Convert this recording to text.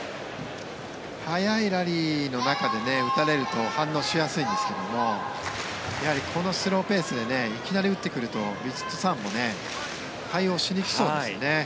速いラリーの中で打たれると反応しやすいんですけどもやはりこのスローペースでいきなり打ってくるとヴィチットサーンも対応しにくそうですよね。